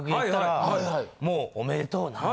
もう「おめでとうな。